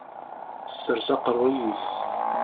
Tessers aqerruy-is.